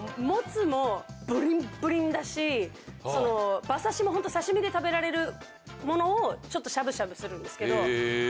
もつもブリンブリンだし馬刺しも刺し身で食べられるものをちょっとしゃぶしゃぶするんですけど。